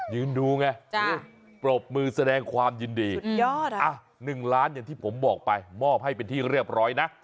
ยืนดูไงปรบมือแสดงความยินดียอด๑ล้านอย่างที่ผมบอกไปมอบให้เป็นที่เรียบร้อยนะ